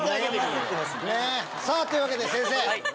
というわけで先生